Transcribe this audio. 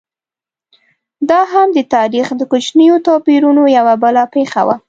دا هم د تاریخ د کوچنیو توپیرونو یوه بله پېښه وه.